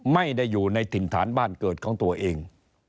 ไม่ได้อยู่ในถิ่นฐานบ้านเกิดของตัวเอง